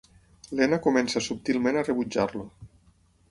Lena comença subtilment a rebutjar-lo.